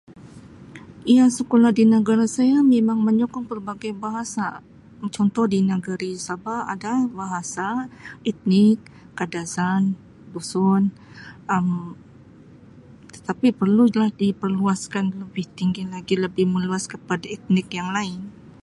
Ya, sekolah di negara saya memang menyokong pelbagai bahasa contoh di negeri sabah ada bahasa etnik kadazan, dusun Um tetapi perlulah diperluaskan lebih tinggi lagi lebih meluas kepada etnik yang lain.